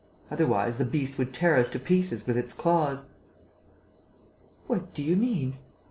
Otherwise, the beast would tear us to pieces with its claws." "What do you mean?"